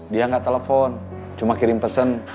dia nggak telepon cuma kirim pesan